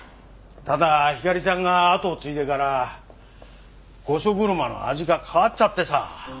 ただひかりちゃんが後を継いでから御所車の味が変わっちゃってさ。